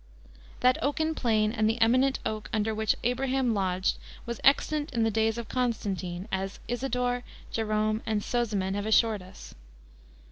That Oaken Plain and the eminent OAK under which Abraham lodged was extant in the days of Constantine, as Isidore, Jerom, and Sozomen have assured us.